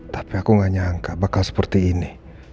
tapi aku gak nyangka bakal seperti ini